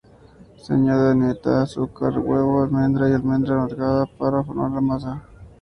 Se añade nata, azúcar, huevo, almendra y almendra amarga para formar la masa.